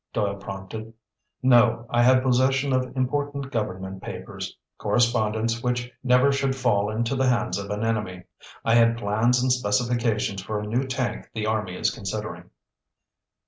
Doyle prompted. "No, I had possession of important government papers. Correspondence which never should fall into the hands of an enemy. I had plans and specifications for a new tank the army is considering."